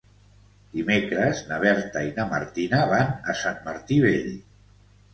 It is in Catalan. Dimecres na Berta i na Martina van a Sant Martí Vell.